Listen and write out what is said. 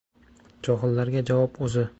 Johillarga javob oʼzi